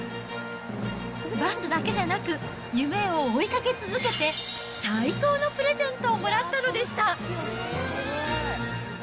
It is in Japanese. バスだけじゃなく、夢を追いかけ続けて、最高のプレゼントをもらったのでした。